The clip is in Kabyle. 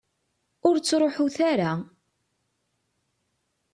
Ur ttruḥut ara.